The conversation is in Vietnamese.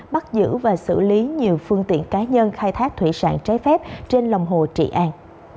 bắt giữ và xử lý nhiều phương tiện cá nhân khai thác thủy sản trái phép trên lòng hồ trị an